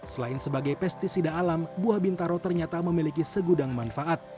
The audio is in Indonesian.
selain sebagai pesticida alam buah bintaro ternyata memiliki segudang manfaat